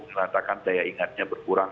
mengatakan daya ingatnya berkurang